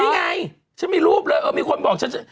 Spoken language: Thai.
นี่ไงฉันมีรูปเลยเออมีคนบอกฉัน